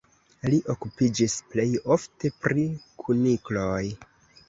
Li okupiĝis plej ofte pri kunikloj.